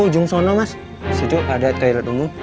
oh di sana mas disitu ada toilet umum